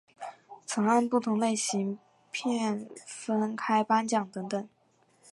曾按不同类型片分开颁奖等等。